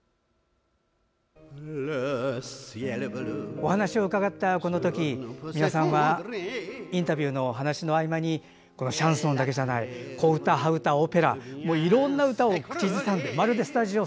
お話を伺ったこの時美輪さんはインタビューの話の合間にシャンソンだけじゃない小唄、端唄、オペラいろんな歌を口ずさんでまるでスタジオ